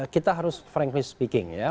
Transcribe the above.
kita harus frankly speaking ya